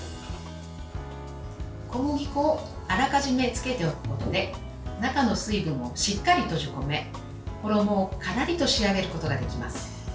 小麦粉をあらかじめつけておくことで中の水分をしっかり閉じ込め衣をカラリと仕上げることができます。